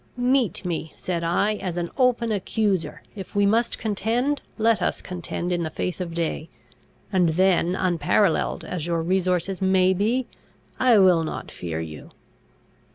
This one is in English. "Meet me," said I, "as an open accuser: if we must contend, let us contend in the face of day; and then, unparalleled as your resources may be, I will not fear you."